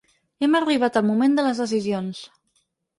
Hem arribat al moment de les decisions.